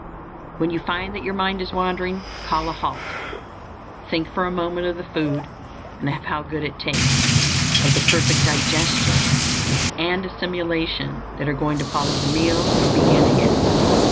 When you find that your mind is wandering, call a halt; think for a moment of the food, and of how good it tastes; of the perfect digestion and assimilation that are going to follow the meal, and begin again.